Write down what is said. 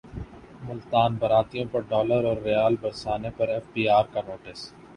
ملتان باراتیوں پرڈالراورریال برسانے پرایف بی رکانوٹس